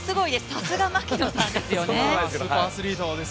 さすが槙野さんですよね。